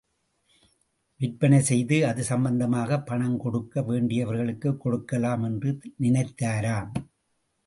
விற்பனைசெய்து அது சம்பந்தமாகப் பணம் கொடுக்க வேண்டியவர்களுக்குக் கொடுக்கலாம் என்று நினைத்தாராம்.